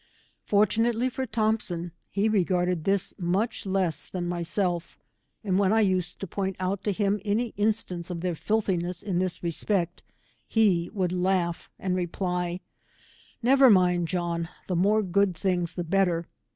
Fortunately for Thompson, he regarded this much less than myself, and when I used to point oat to him any instance of their fiithiness in this respect, he would laugh and reply, Never mind John, the more good things the better.